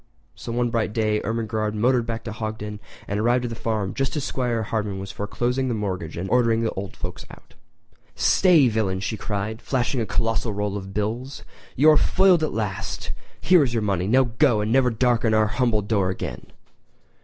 So one bright day Ermengarde motored back to Hogton and arrived at the farm just as 'Squire Hardman was foreclosing the mortgage and ordering the old folks out. "Stay, villain!" she cried, flashing a colossal roll of bills. "You are foiled at last! Here is your money—now go, and never darken our humble door again!"